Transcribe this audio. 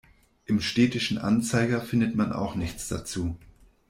Im Städtischen Anzeiger findet man auch nichts dazu.